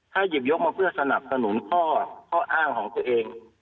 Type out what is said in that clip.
ถ้าหยิบยกมาเพื่อสนับสนุนข้ออ้างของตัวเอง